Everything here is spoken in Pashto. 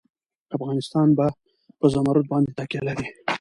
افغانستان په زمرد باندې تکیه لري.